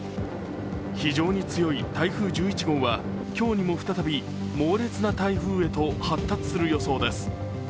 非常に強い台風１１号は今日にも再び猛烈な台風へと発達する予想です。